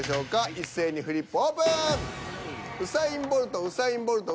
一斉にフリップオープン！